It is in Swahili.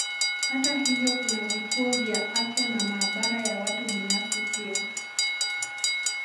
Hata hivyo kuna vituo vya afya na maabara ya watu binafsi pia.